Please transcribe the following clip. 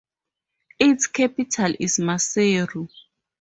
Its capital is Maseru.